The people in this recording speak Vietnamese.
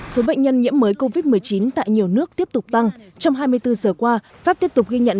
số bệnh nhân nhiễm mới covid một mươi chín tại nhiều nước tiếp tục tăng trong hai mươi bốn giờ qua pháp tiếp tục ghi nhận